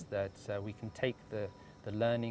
kita bisa mengambil pelajaran